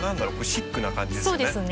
シックな感じですよね。